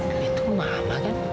ini tuh mama kan